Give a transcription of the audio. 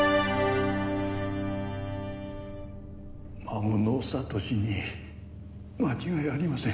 孫の悟志に間違いありません。